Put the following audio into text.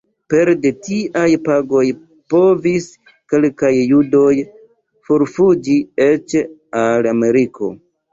Pere de tiaj pagoj povis kelkaj judoj forfuĝi eĉ al Ameriko.